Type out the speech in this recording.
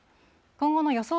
今後の予想